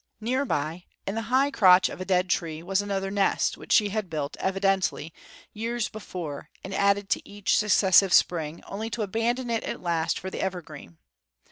Near by, in the high crotch of a dead tree, was another nest, which she had built, evidently, years before and added to each successive spring, only to abandon it at last for the evergreen.